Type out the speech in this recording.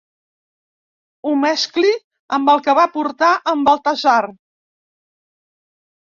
Ho mescli amb el que va portar en Baltasar.